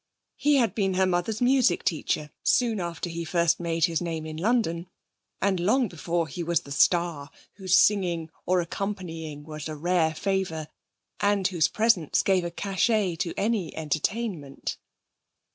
He had been her mother's music teacher soon after he first made a name in London; and long before he was the star whose singing or accompanying was a rare favour, and whose presence gave a cachet to any entertainment.